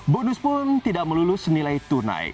bonus pun tidak melulus nilai tunai